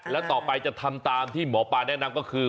แล้วต่อไปจะทำตามที่หมอปลาแนะนำก็คือ